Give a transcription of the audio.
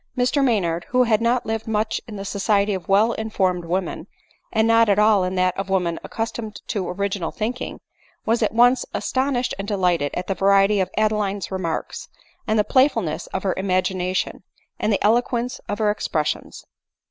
Mr Maynard, who had not lived much in the society of well informed women, and not at all in that of women accustomed to original thinking;, was at once astonished and delighted at die variety of Adeline's re marks, at the playfulness of her imagination, and the elo quence of her expressions.